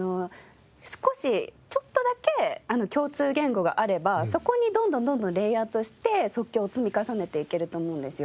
少しちょっとだけ共通言語があればそこにどんどんどんどんレイアウトして即興を積み重ねていけると思うんですよ。